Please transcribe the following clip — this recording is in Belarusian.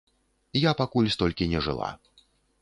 Я пакуль столькі не жыла.